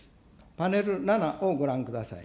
パネル７をご覧ください。